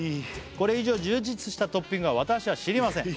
「これ以上充実したトッピングは私は知りません」